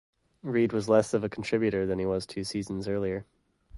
Reed was less of a contributor than he was two seasons earlier.